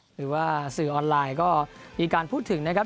หรือว่าสื่อออนไลน์ก็มีการพูดถึงนะครับ